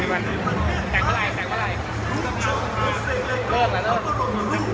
วันนี้ก็เป็นปีนี้